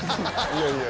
いやいや。